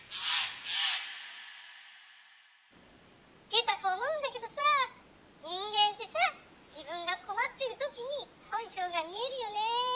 「ゲタ子思うんだけどさ人間ってさ自分が困ってる時に本性が見えるよね。